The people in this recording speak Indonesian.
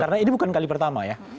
karena ini bukan kali pertama ya